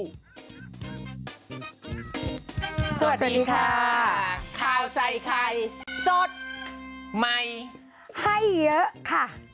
สวัสดีค่ะข้าวใส่ไข่สดใหม่ให้เยอะค่ะ